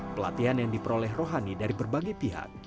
pelatihan yang diperoleh rohani dari berbagai pihak